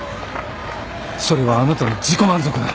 それはあなたの自己満足だ。